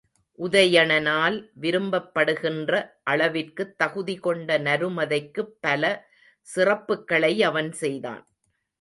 உதயணனால் விரும்பப்படுகின்ற அளவிற்குத் தகுதி கொண்ட நருமதைக்குப் பல சிறப்புக்களை அவன் செய்தான்.